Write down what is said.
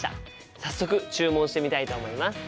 早速注文してみたいと思います。